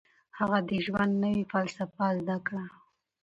هغه د ژوند نوې فلسفه زده کړه.